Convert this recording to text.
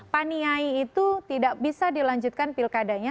paniai itu tidak bisa dilanjutkan pilkadanya